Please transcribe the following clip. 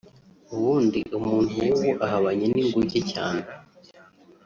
ubundi umuntu w’ubu ahabanye n’inguge cyane